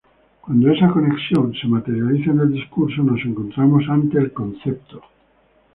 Cuando esa conexión se materializa en el discurso, nos encontramos ante el concepto.